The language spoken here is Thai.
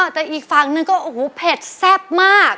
แต่อีกฝั่งนึงก็โอ้โหเผ็ดแซ่บมาก